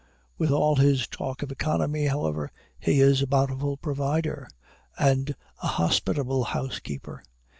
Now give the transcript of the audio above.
With all his talk of economy, however, he is a bountiful provider, and a hospitable housekeeper.